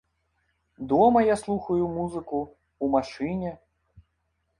Дома я слухаю музыку, у машыне.